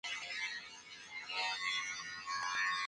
Al respecto, el video musical contó con dos versiones.